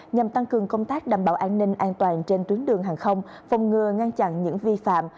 nhằm tăng cường công tác đảm bảo an ninh an toàn trên tuyến đường hàng không phòng ngừa ngăn chặn những vi phạm